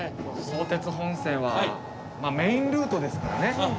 相鉄本線はメインルートですからね。